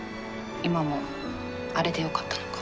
今もあれでよかったのか。